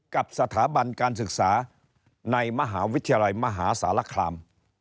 กับสถาบันการศึกษาในมหาวิทยาลัยมหาสารคาม